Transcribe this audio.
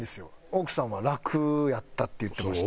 奥さんは「楽やった」って言ってました。